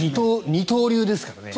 二刀流ですからね。